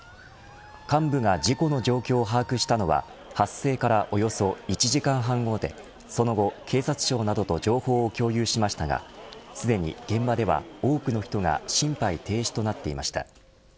幹部が事故の状況を把握したのは発生からおよそ１時間半後でその後、警察庁などと情報を共有しましたがすでに現場では多くの人が心肺停止となっていました。